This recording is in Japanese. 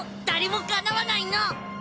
誰もかなわないの！